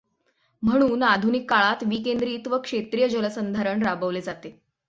म्हणून आधुनिक काळात विकेंद्रित व क्षेत्रीय जलसंधारण राबवले जाते.